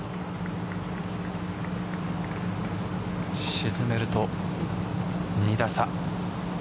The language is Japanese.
沈めると２打差。